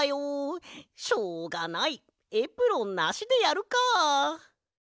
しょうがないエプロンなしでやるか。